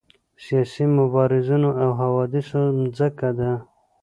سیاسي مبارزینو او حوادثو مځکه ده.